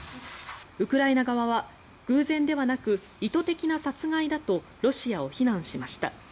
ウクライナ側は偶然ではなく意図的な殺害だとロシアを非難しました。